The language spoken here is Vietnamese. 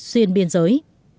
xuyên biên giới